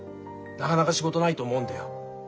なかなか仕事ないと思うんだよ。